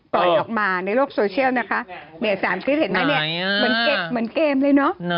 ปล่อยออกมาในโลกโซเชียลนะคะเนี่ย๓คลิปเห็นไหมเนี่ยเหมือนเก็บเหมือนเกมเลยเนอะ